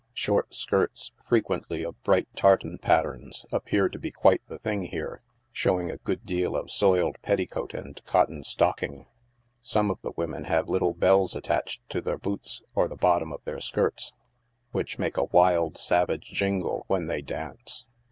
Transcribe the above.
Short skirts, frequently of bright tar tan patterns, appear to be quite the thing here, showing a good deal of soiled petticoat and coUon stocking. Some of the women have little bells attached to their boots or the bottom of their skirts, which make a wild, savage jingle when they dance.